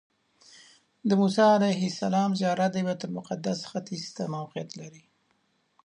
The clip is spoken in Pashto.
د موسی علیه السلام زیارت د بیت المقدس ختیځ ته موقعیت لري.